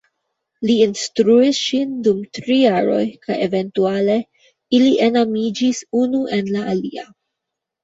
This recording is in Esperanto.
Li instruis ŝin dum tri jaroj kaj eventuale ili enamiĝis unu en la alia.